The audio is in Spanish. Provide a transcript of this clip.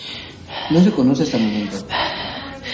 No se conoce, hasta el momento.